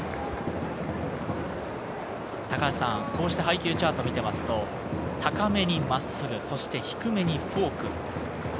こうした配球チャートを見てみますと、高めに真っすぐ、そして低めにフォーク。